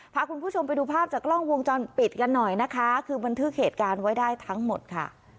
พาคุณผู้ชมไปดูภาพจากกล้องวงจรปิดกันหน่อยนะคะคือบันทึกเหตุการณ์ไว้ได้ทั้งหมดค่ะ